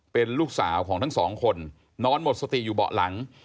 เป็นลูกสาวของทั้งสองคนนอนหมดสติอยู่เบาะหลัง